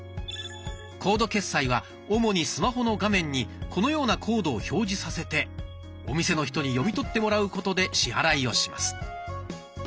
「コード決済」は主にスマホの画面にこのようなコードを表示させてお店の人に読み取ってもらうことで支払いをします。